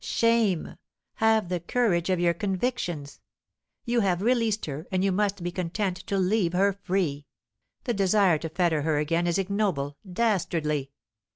Shame! Have the courage of your convictions. You have released her, and you must be content to leave her free. The desire to fetter her again is ignoble, dastardly!"